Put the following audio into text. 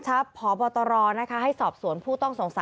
และความสุขของคุณค่ะ